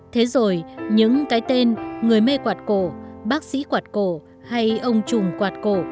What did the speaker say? thế rồi những cái tên người mê quạt cổ bác sĩ quạt cổ hay ông trùng quạt cổ